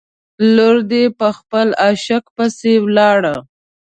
لور دې په خپل عاشق پسې ولاړه.